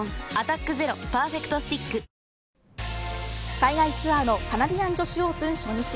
海外ツアーのカナディアン女子オープン初日。